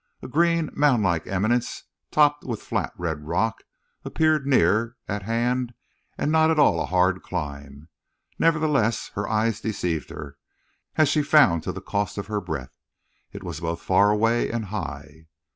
A green moundlike eminence topped with flat red rock appeared near at hand and not at all a hard climb. Nevertheless, her eyes deceived her, as she found to the cost of her breath. It was both far away and high.